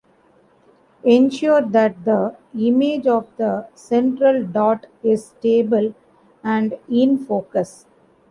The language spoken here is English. Ensure that the image of the central dot is stable and in focus.